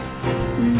うん。